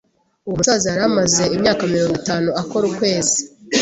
Uwo musaza yari amaze imyaka mirongo itanu akora ukwezi.